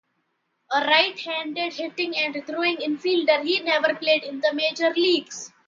A right-handed hitting and throwing infielder, he never played in the Major Leagues.